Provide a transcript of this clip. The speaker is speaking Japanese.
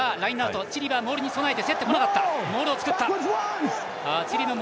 チリはモールに備えて競ってこなかった。